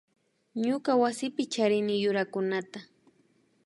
Ñuka wasipi charini yurakunata